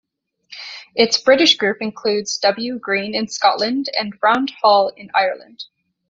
Its British group includes W. Green in Scotland and Round Hall in Ireland.